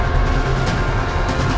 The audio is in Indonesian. aku akan menang